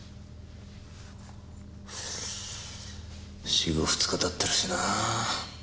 死後２日経ってるしなぁ。